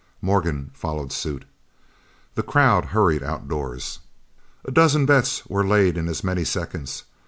Morgan followed suit. The crowd hurried outdoors. A dozen bets were laid in as many seconds.